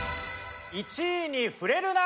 １位にふれるな！